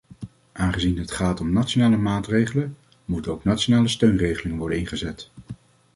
Aangezien het gaat om nationale maatregelen, moeten ook nationale steunregelingen worden ingezet.